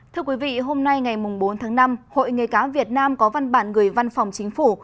thưa quý vị hôm nay ngày bốn tháng năm hội nghề cá việt nam có văn bản gửi văn phòng chính phủ